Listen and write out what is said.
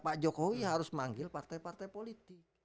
pak jokowi harus manggil partai partai politik